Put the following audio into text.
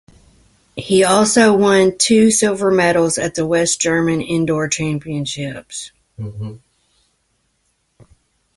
He also won two silver medals at the West German indoor championships.